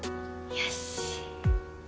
よし。